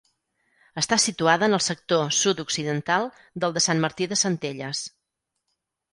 Està situada en el sector sud-occidental del de Sant Martí de Centelles.